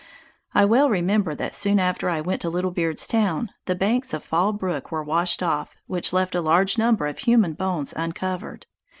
I well remember that soon after I went to Little Beard's Town, the banks of Fall Brook were washed off, which left a large number of human bones uncovered.